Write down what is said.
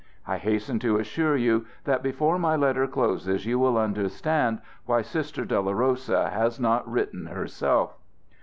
I hasten to assure you that before my letter closes you will understand why Sister Dolorosa has not written herself.